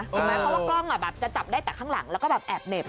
ถูกไหมเพราะว่ากล้องจะจับได้แต่ข้างหลังแล้วก็แบบแอบเหน็บ